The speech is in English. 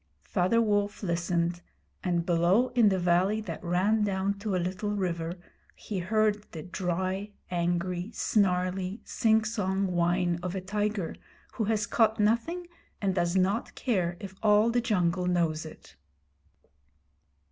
Father Wolf listened, and below in the valley that ran down to a little river, he heard the dry, angry, snarly, singsong whine of a tiger who has caught nothing and does not care if all the jungle knows it.